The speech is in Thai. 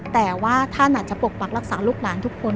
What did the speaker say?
แต่ว่าท่านอาจจะปกปักรักษาลูกหลานทุกคน